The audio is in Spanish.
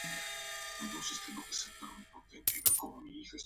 Tiene un acceso directo a la Ciudad Universitaria de Buenos Aires.